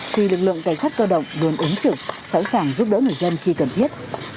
thì lực lượng cảnh sát cơ động luôn ứng trực sẵn sàng giúp đỡ người dân khi cần thiết